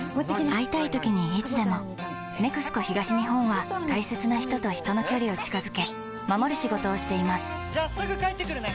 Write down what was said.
会いたいときにいつでも「ＮＥＸＣＯ東日本」は大切な人と人の距離を近づけ守る仕事をしていますじゃあすぐ帰ってくるね！